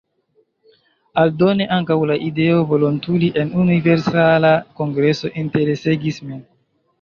Aldone, ankaŭ la ideo volontuli en Universala Kongreso interesegis min.